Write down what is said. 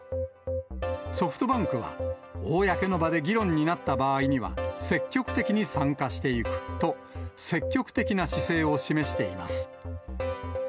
ソフトバンクは、公の場で議論になった場合には、積極的に参加していくと、積極的な姿勢を示しています。